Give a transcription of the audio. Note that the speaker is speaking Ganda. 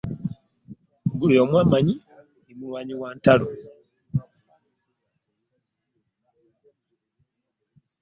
Buli omu ammanyi ndi mulwanyi wa ntalo.